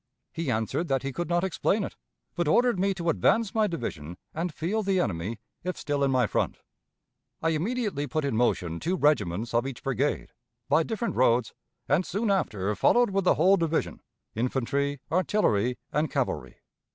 He answered that he could not explain it, but ordered me to advance my division and feel the enemy, if still in my front. I immediately put in motion two regiments of each brigade, by different roads, and soon after followed with the whole division infantry, artillery, and cavalry.